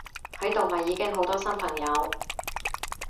喺度咪已經好多新朋友！